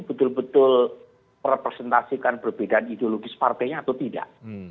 betul betul merepresentasikan perbedaan ideologis partainya atau tidak